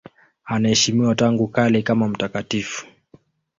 Anaheshimiwa tangu kale kama mtakatifu.